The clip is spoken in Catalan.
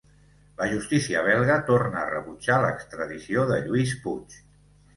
La justícia belga torna a rebutjar l'extradició de Lluís Puig.